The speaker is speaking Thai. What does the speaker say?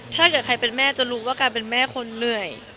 ถ้าเกิดใครเป็นแม่จะรู้ว่าการเป็นแม่คนเหนื่อย